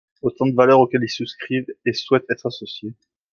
Autant de valeurs auxquels ils souscrivent et souhaitent être associés.